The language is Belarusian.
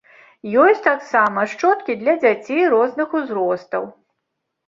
Ёсць таксама шчоткі для дзяцей розных узростаў.